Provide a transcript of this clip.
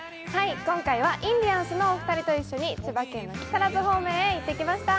今回はインディアンスのお二人と一緒に千葉県の木更津方面へ行ってきました。